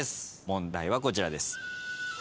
問題はこちらです。